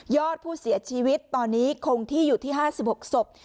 อดผู้เสียชีวิตตอนนี้คงที่อยู่ที่๕๖ศพ